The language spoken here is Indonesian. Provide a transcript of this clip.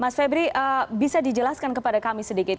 mas febri bisa dijelaskan kepada kami sedikit